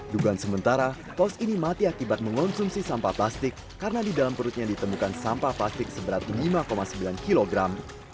dugaan sementara kaos ini mati akibat mengonsumsi sampah plastik karena di dalam perutnya ditemukan sampah plastik seberat lima sembilan kilogram